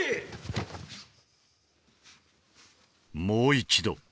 もう一度。